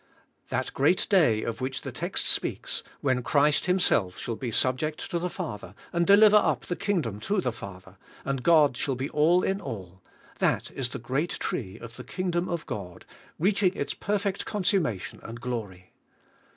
That great day of which the text 180 THA T GOD MA Y BE ALL IN ALL speaks, when Christ Himself shall be subject to the Father, and deliver up the Kingdom to the Father, and God shall be all in all — that is the great tree of the Kingdom of God reaching its perfect consummation and glory.